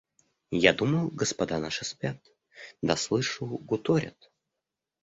Я думал, господа наши спят, да слышу гуторят.